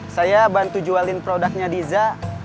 saya bantu jualin produknya diza